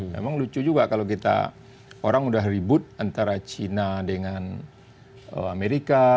memang lucu juga kalau kita orang udah ribut antara china dengan amerika